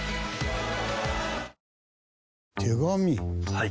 はい。